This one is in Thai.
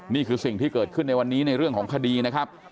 นี่คือสิ่งที่เกิดขึ้นในวันนี้ในเรื่องของคดีนะครับ